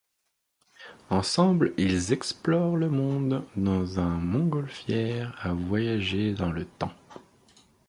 Ensemble, ils explorent le monde dans un montgolfière à voyager dans le temps.